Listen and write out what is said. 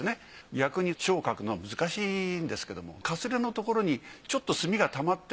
逆に字を書くのは難しいんですけれどもかすれのところにちょっと墨が溜まっている。